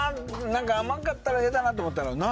何か甘かったら嫌だなと思ったらな